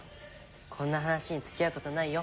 こんな話に付き合う事ないよ。